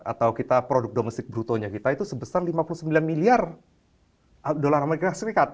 atau produk domestik brutonya kita itu sebesar lima puluh sembilan miliar dolar as